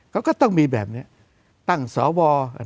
เขาก็ต้องมีแบบนี้ตั้งสว